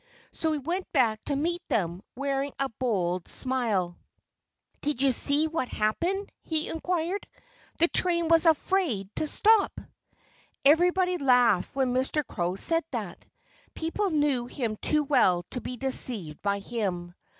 So he went back to meet them, wearing a bold smile. "Did you see what happened?" he inquired. "The train was afraid to stop!" Everybody laughed when Mr. Crow said that. People knew him too well to be deceived by him.